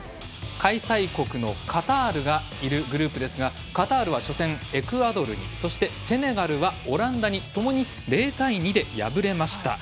開催国のカタールがいるグループですがカタールは初戦、エクアドルにそして、セネガルはオランダにともに０対２で敗れました。